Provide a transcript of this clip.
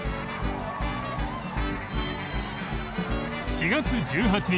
４月１８日